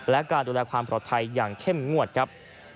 และการดูแลความปลอดภัยอย่างเข้มงวดครับ